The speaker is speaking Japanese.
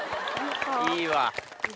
いいわ！